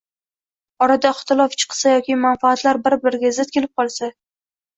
orada ixtilof chiqsa yoki manfaatlar bir-biriga zid kelib qolsa